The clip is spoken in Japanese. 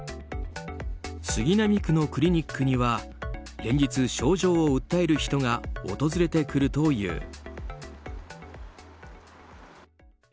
杉並区のクリニックには連日症状を訴える人が訪れてくるという。